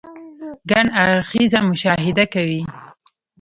ګڼ اړخيزه مشاهده کوئ -